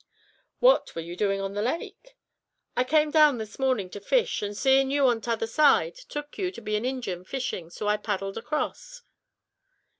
"What were you doing on the lake?" "I came down this morning to fish, and seeing you on t'other side, took you to be an Injin fishin' and so I paddled across."